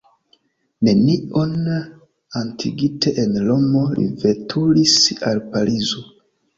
Nenion atinginte en Romo li veturis al Parizo.